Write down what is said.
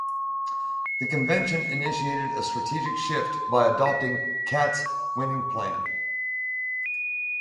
The convention initiated a strategic shift by adopting Catt's "Winning Plan".